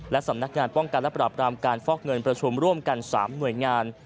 และสำนักงานป้องกันและปราบรามการฟอกเงินประชุมร่วมกัน๓หน่วยงาน